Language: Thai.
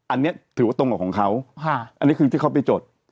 อันนี้ถือว่าตรงกับของเขาอันนี้คือที่เขาไปจด